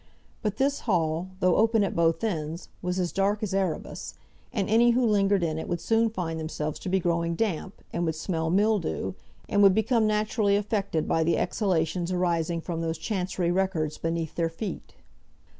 But this hall, though open at both ends, was as dark as Erebus; and any who lingered in it would soon find themselves to be growing damp, and would smell mildew, and would become naturally affected by the exhalations arising from those Chancery records beneath their feet.